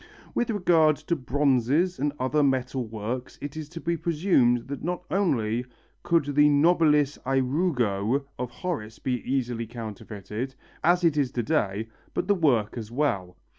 With regard to bronzes and other metal works it is to be presumed that not only could the Nobilis ærugo of Horace be easily counterfeited, as it is to day, but the work as well.